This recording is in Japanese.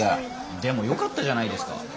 でもよかったじゃないですか。